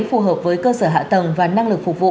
phù hợp với cơ sở hạ tầng và năng lực phục vụ